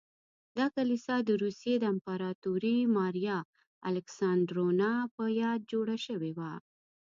دا کلیسا د روسیې د امپراتورې ماریا الکساندرونا په یاد جوړه شوې وه.